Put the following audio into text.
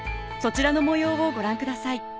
そちらの模様をご覧ください